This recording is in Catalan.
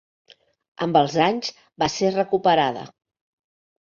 Amb els anys, va ser recuperada.